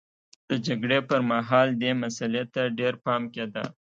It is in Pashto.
د جګړې پرمهال دې مسئلې ته ډېر پام کېده.